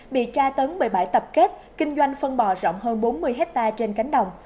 bị tra tấn bởi bãi tập kết kinh doanh phân bò rộng hơn bốn mươi hectare trên cánh đồng